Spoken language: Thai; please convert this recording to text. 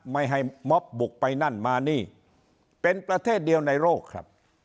ไม่ให้ม็อบบุกไปนั่นมานี่เป็นประเทศเดียวในโลกครับ